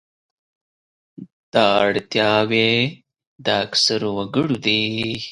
دا اړتیاوې د اکثرو وګړو دي.